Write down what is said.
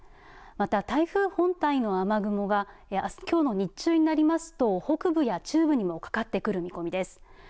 また台風本体の雨雲がきょうの日中になりますと北部や中部にもかかってくる見込みです。